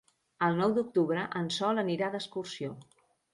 El nou d'octubre en Sol anirà d'excursió.